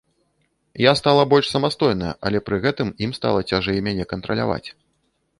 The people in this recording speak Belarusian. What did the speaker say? Я стала больш самастойная, але пры гэтым ім стала цяжэй мяне кантраляваць.